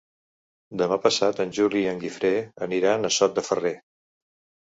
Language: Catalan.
Demà passat en Juli i en Guifré aniran a Sot de Ferrer.